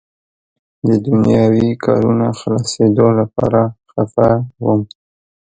د دنیاوي کارونو خلاصېدو لپاره خفه وم.